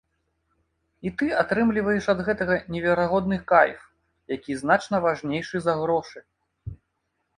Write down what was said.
І ты атрымліваеш ад гэтага неверагодны кайф, які значна важнейшы за грошы.